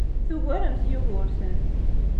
Tugaremt Yugurten.